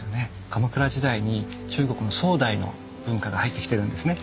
鎌倉時代に中国の宋代の文化が入ってきてるんですね。